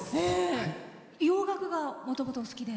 洋楽がもともとお好きで。